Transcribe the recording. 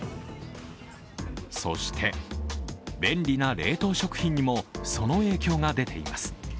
そして、便利な冷凍食品にもその影響が出ています。